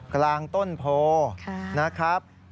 กลางต้นโพนะครับ